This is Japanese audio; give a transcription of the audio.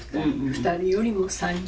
２人よりも３人。